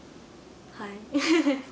はい。